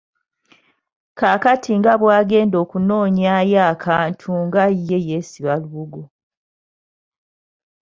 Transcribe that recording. Kaakati nga bw’agenda okunoonyaayo akantu nga ye yeesiba olubugo.